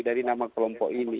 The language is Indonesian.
dari nama kelompok ini